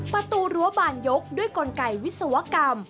ประตูรั้วบานยกด้วยกลไกวิศวกรรม